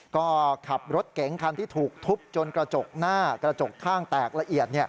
ก็ขับรถเก๋งคันที่ถูกทุบจนกระจกหน้ากระจกข้างแตกละเอียด